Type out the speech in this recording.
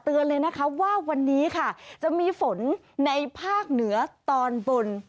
เลยนะคะว่าวันนี้ค่ะจะมีฝนในภาคเหนือตอนบน